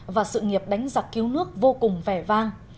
và sự nghiệp đánh giặc cứu nước vô cùng vẻ vang